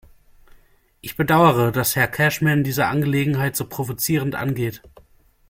Ich bedauere, dass Herr Cashman diese Angelegenheit so provozierend angeht.